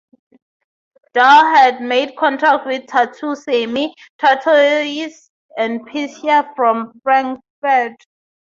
Doug had made contact with Tattoo Samy, a tattooist and piercer from Frankfurt.